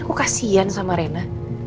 aku kasian sama rena